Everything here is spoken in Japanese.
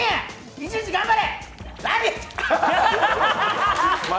一日頑張れ！